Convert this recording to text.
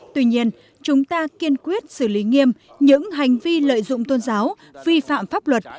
tuy nhiên chúng ta kiên quyết xử lý nghiêm những hành vi lợi dụng tôn giáo vi phạm pháp luật